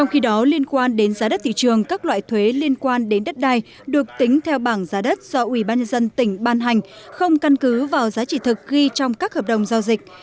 hội đồng thẩm định giá đất do ubnd tỉnh ban hành không căn cứ vào giá trị thực ghi trong các hợp đồng giao dịch